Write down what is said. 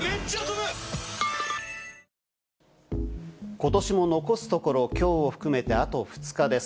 ことしも残すところきょうを含めてあと２日です。